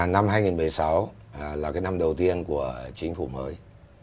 năm hai nghìn một mươi sáu là năm đầu tiên của chính phủ mới